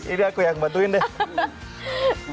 ini aku yang bantuin deh